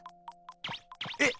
えっ！